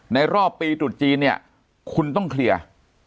รอบปีตรุษจีนเนี่ยคุณต้องเคลียร์